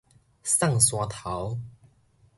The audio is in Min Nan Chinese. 送山頭